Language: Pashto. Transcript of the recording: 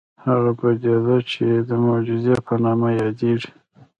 هغه پديده چې د معجزې په نامه يادېږي.